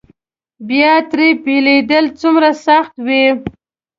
بیا ترې بېلېدل څومره سخت وي.